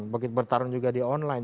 bertarung juga di online